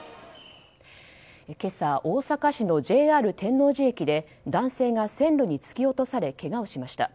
今朝、大阪市のＪＲ天王寺駅で男性が線路に突き落とされけがをしました。